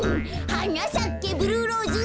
「はなさけブルーローズ」